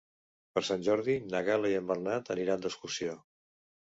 Per Sant Jordi na Gal·la i en Bernat aniran d'excursió.